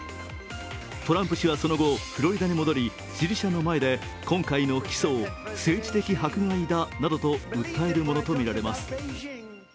トランプ氏はその後、フロリダに戻り、支持者の前で今回の起訴を政治的迫害だなどと訴えるものとみられます。